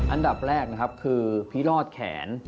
อันดับแรกนะครับคือพิรอดแขน